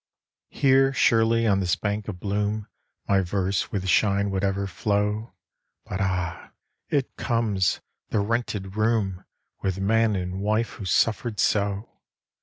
Here, surely, on this bank of bloom, My verse with shine would ever flow; But ah! it comes the rented room, With man and wife who suffered so!